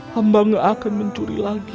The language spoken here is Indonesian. hamba gak akan mencuri lagi